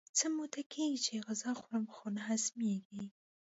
څه موده کېږي چې غذا خورم خو نه هضمېږي.